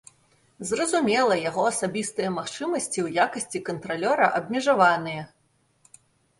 Зразумела, яго асабістыя магчымасці ў якасці кантралёра абмежаваныя.